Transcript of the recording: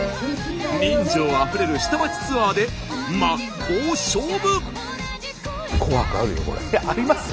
人情あふれる下町ツアーで真っ向勝負。あります？